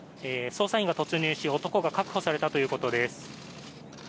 捜査員が突入し男が確保されたということです。